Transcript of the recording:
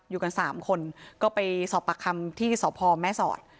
อยู่กัน๓คนก็ไปสอบปากคำที่สพแม่สอด